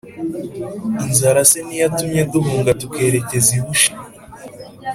inzara se ntiyatumye duhunga tukerekeza i bushi.